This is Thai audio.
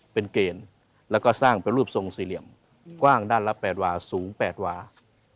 เป็นเกณฑ์แล้วก็สร้างเป็นรูปทรงสี่เหลี่ยมกว้างด้านละ๘วาสูง๘วา